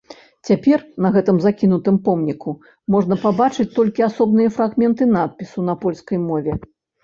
Цяпер на гэтым закінутым помніку можна пабачыць толькі асобныя фрагменты надпісу на польскай мове.